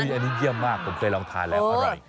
อันนี้เยี่ยมมากผมเคยลองทานแล้วอร่อย